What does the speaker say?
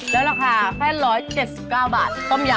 แล้วราคาแค่๑๗๙บาทต้มยำ